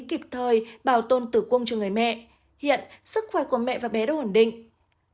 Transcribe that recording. kịp thời bảo tồn tử cung cho người mẹ hiện sức khỏe của mẹ và bé đã ổn định